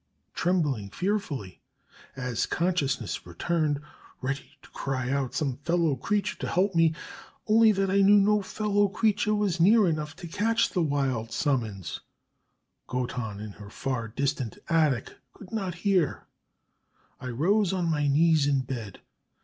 Trembling fearfully as consciousness returned ready to cry out on some fellow creature to help me, only that I knew no fellow creature was near enough to catch the wild summons Goton in her far distant attic could not hear I rose on my knees in bed.